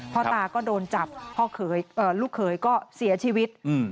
พ่อตาก็โดนจับลูกเขยก็เสียชีวิต